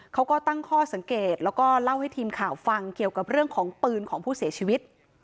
เขาก็ตั้งข้อสังเกตแล้วก็เล่าให้ทีมข่าวฟังเกี่ยวกับเรื่องของปืนของผู้เสียชีวิต